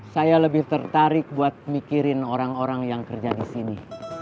saya lebih tertarik buat mikirin orang orang yang kerja di sini